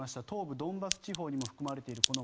東部ドンバス地方にも含まれている